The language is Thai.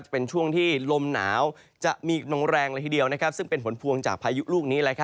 เป็นช่วงที่ลมหนาวจะมีกำลังแรงเลยทีเดียวซึ่งเป็นผลพวงจากพายุลูกนี้